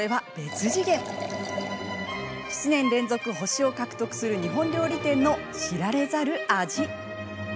７年連続星を獲得する日本料理店の知られざる味。